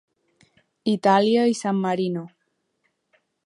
Itàlia i San Marino.